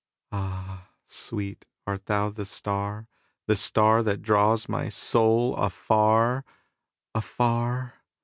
Ah, sweet, art thou the star, the starThat draws my soul afar, afar?